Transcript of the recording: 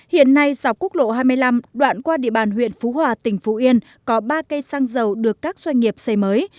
hiện nay dọc quốc lộ hai mươi năm đoạn qua địa bàn huyện phú hòa tỉnh phú yên có ba cây xăng dầu được các doanh nghiệp xây mới